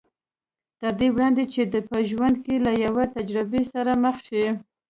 تر دې وړاندې چې په ژوند کې له يوې تجربې سره مخ شي.